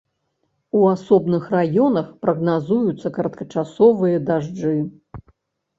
У асобных раёнах прагназуюцца кароткачасовыя дажджы.